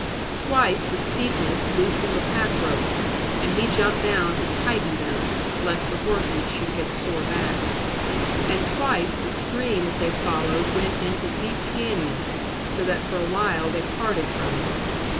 Twice the steepness loosened the pack ropes, and he jumped down to tighten them, lest the horses should get sore backs. And twice the stream that they followed went into deep canyons, so that for a while they parted from it.